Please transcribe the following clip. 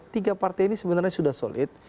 tiga partai ini sebenarnya sudah solid